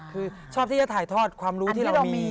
คือชอบที่จะถ่ายทอดความรู้ที่เรามี